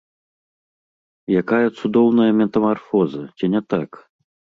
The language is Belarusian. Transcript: Якая цудоўная метамарфоза, ці не так?